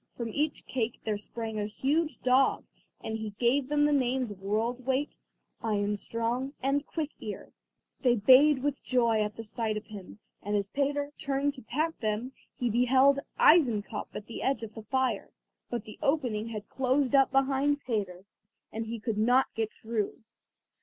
From each cake there sprang a huge dog, and he gave them the names of World's weight, Ironstrong, and Quick ear. They bayed with joy at the sight of him, and as Peter turned to pat them, he beheld Eisenkopf at the edge of the fire, but the opening had closed up behind Peter, and he could not get through.